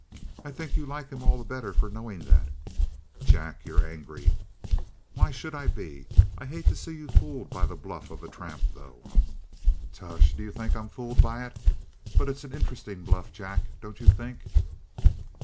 "I think you like him all the better for knowing that." "Jack, you're angry." "Why should I be? I hate to see you fooled by the bluff of a tramp, though." "Tush! Do you think I'm fooled by it? But it's an interesting bluff, Jack, don't you think?"